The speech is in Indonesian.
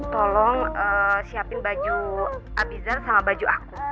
tolong siapin baju abizar sama baju aku